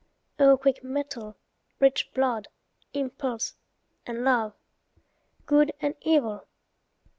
O quick mettle, rich blood, impulse, and love! Good and evil!